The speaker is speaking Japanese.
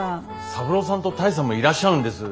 三郎さんと多江さんもいらっしゃるんです。